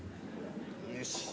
よし。